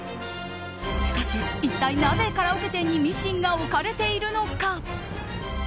しかし一体なぜ、カラオケ店にミシンが置かれているのか。